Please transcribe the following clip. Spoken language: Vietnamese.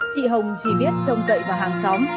chị hồng chỉ biết trông cậy vào hàng xóm